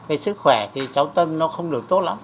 về sức khỏe thì cháu tâm nó không được tốt lắm